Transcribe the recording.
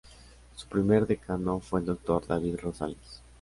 Su primer decano fue el doctor David Rosales.